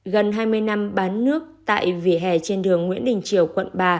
gần hai mươi năm bán nước tại vỉa hè trên đường nguyễn đình triều quận ba